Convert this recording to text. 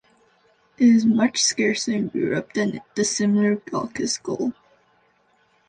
It is much scarcer in Europe than the similar glaucous gull.